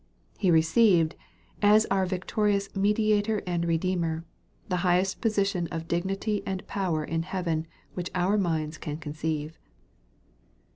He received, as our victorious Mediator and Kedeemer, the highest position of dignity and power in heaven which our minds can conceive.